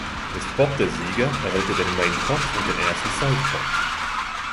Ist Bob der Sieger, erhält er den Main Pot und den ersten Side Pot.